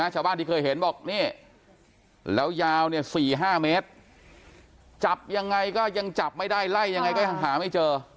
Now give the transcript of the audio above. จับยังไงก็ยังจับไม่ได้ไล่ยังไงก็ยังหาไม่เจอ